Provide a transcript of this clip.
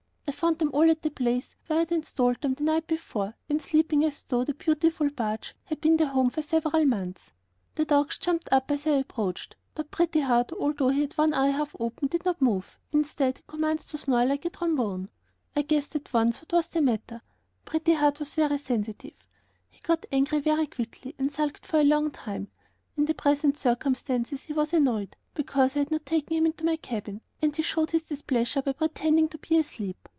I found them all at the place where I had installed them the night before, and sleeping as though the beautiful barge had been their home for several months. The dogs jumped up as I approached, but Pretty Heart, although he had one eye half open, did not move; instead he commenced to snore like a trombone. I guessed at once what was the matter: Pretty Heart was very sensitive; he got angry very quickly and sulked for a long time. In the present circumstances he was annoyed because I had not taken him into my cabin, and he showed his displeasure by pretending to be asleep.